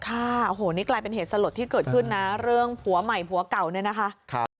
ค่ะโอ้โหนี่กลายเป็นเหตุสลดที่เกิดขึ้นนะเรื่องผัวใหม่ผัวเก่าเนี่ยนะคะ